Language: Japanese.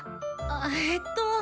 あえっと。